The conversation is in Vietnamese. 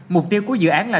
mục tiêu của dự án là